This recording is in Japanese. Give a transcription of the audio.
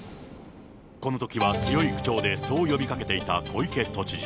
このときは強い口調でそう呼びかけていた小池都知事。